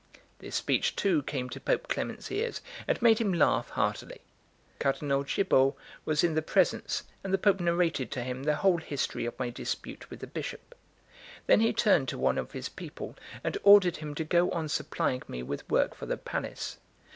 This speech too came to Pope Clement's ears, and made him laugh heartily. Cardinal Cibo was in the presence, and the Pope narrated to him the whole history of my dispute with the Bishop. Then he turned to one of his people, and ordered him to go on supplying me with work for the palace.